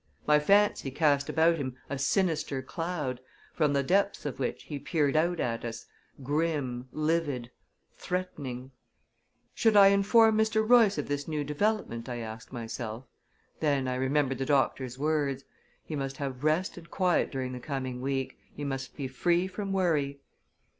My fancy cast about him a sinister cloud, from the depths of which he peered out at us, grim, livid, threatening. Should I inform Mr. Royce of this new development? I asked myself; then I remembered the doctor's words. He must have rest and quiet during the coming week; he must be free from worry.